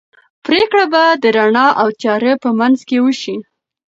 پرېکړه به د رڼا او تیارې په منځ کې وشي.